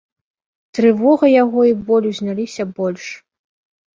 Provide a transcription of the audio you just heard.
Трывога яго і боль узняліся больш.